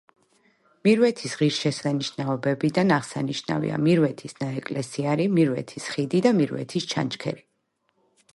მირვეთის ღირსშესანიშნაობებიდან აღსანიშნავია: მირვეთის ნაეკლესიარი, მირვეთის ხიდი და მირვეთის ჩანჩქერი.